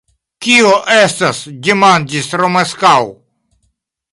Kio estas? demandis Romeskaŭ.